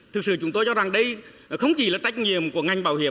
thực sự chúng tôi cho rằng đây không chỉ là trách nhiệm của ngành bảo hiểm